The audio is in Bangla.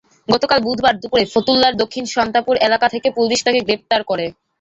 গতকাল বুধবার দুপুরে ফতুল্লার দক্ষিণ সস্তাপুর এলাকা থেকে পুলিশ তাঁকে গ্রেপ্তার করে।